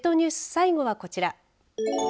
最後はこちら。